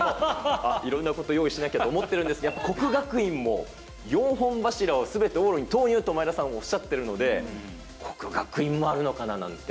あっ、いろんなこと用意しなきゃと思ってるんですが、國學院も、４本柱をすべて往路に投入と前田さん、おっしゃってるので、國學院もあるのかななんて。